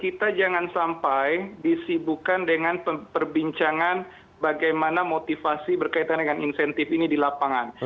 kita jangan sampai disibukan dengan perbincangan bagaimana motivasi berkaitan dengan insentif ini di lapangan